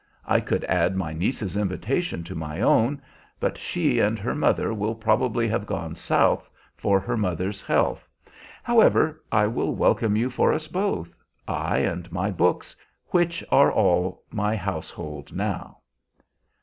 I could add my niece's invitation to my own, but she and her mother will probably have gone South for her mother's health. However, I will welcome you for us both, I and my books, which are all my household now."